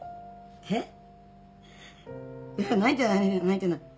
えっ？いや泣いてない泣いてない。